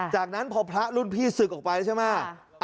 จากนั้นพอพระรุ่นพี่ศึกออกไปใช่ไหม